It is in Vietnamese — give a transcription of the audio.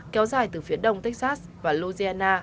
kéo dài từ phía đông texas và louisiana